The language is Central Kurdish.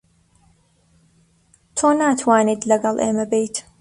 تۆ ناتوانیت لەگەڵ ئێمە بێیت.